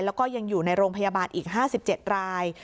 แล้วก็ยังอยู่ในโรงพยาบาลอีก๕๗ราย